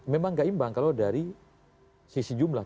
memang gak imbang kalau dari sisi jumlah